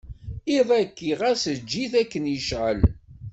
Iḍ-ayi ɣas eǧǧ-it akken yecɛel.